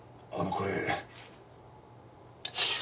これ。